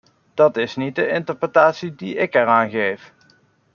Dat is niet de interpretatie die ik eraan geef.